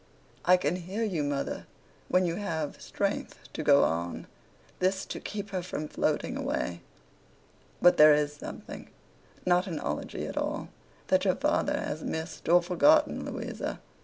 'I can hear you, mother, when you have strength to go on.' This, to keep her from floating away. 'But there is something—not an Ology at all—that your father has missed, or forgotten, Louisa.